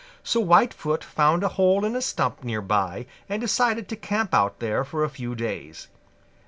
So Whitefoot found a hole in a stump near by and decided to camp out there for a few days.